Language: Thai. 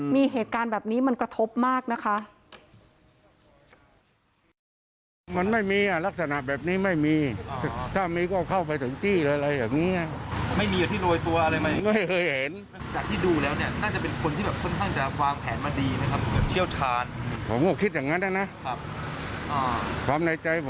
มีเหตุการณ์แบบนี้มันกระทบมากนะคะ